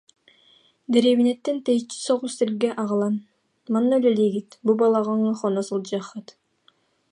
Дэриэбинэттэн тэйиччи соҕус сиргэ аҕалан: «Манна үлэлиигит, бу балаҕаҥҥа хоно сылдьыаххыт»